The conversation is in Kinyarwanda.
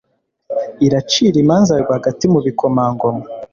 iracira imanza rwagati mu bikomangoma